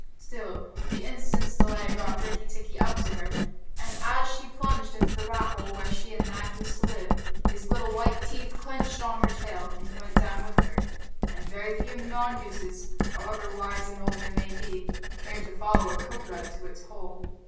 Still, the instant's delay brought Rikki tikki up to her, and as she plunged into the rat hole where she and Nag used to live, his little white teeth were clenched on her tail, and he went down with her and very few mongooses, however wise and old they may be, care to follow a cobra into its hole.